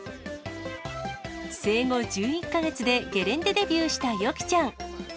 生後１１か月でゲレンデデビューした予きちゃん。